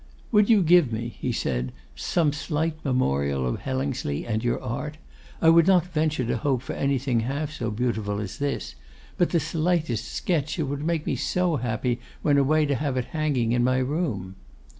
'Would you give me,' he said, 'some slight memorial of Hellingsley and your art? I would not venture to hope for anything half so beautiful as this; but the slightest sketch. It would make me so happy when away to have it hanging in my room.